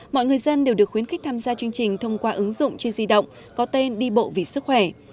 mọi người dân đều được khuyến khích tham gia chương trình thông qua ứng dụng trên di động có tên đi bộ vì sức khỏe